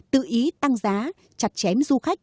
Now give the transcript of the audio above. tự ý tăng giá chặt chém du khách